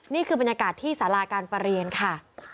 นี่คือบรรยากาศที่สาราการประเรียนค่ะ